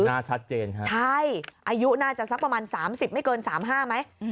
บอกน่าชัดเจนครับใช่อายุน่าจะสักประมาณสามสิบไม่เกินสามห้าไหม